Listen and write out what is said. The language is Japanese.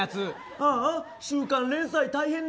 ああ、週刊連載大変だ。